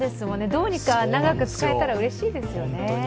どうにか長く使えたらうれしいですよね。